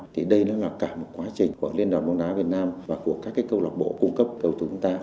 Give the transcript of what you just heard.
thì đây nó là cả một quá trình của liên đoàn đông đá việt nam và của các câu lạc bộ cung cấp cầu thú của chúng ta